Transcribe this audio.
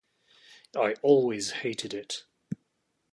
I always hated it!